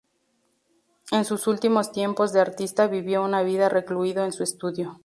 En sus últimos tiempos de artista vivió una vida recluido en su estudio.